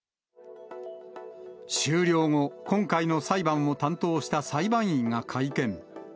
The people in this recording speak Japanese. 終了後、今回の裁判を担当した裁判員が会見。